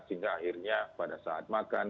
sehingga akhirnya pada saat makan